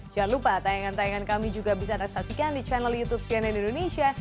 jangan lupa tayangan tayangan kami juga bisa anda saksikan di channel youtube cnn indonesia